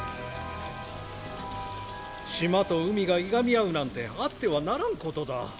島と海がいがみ合うなんてあってはならんことだ。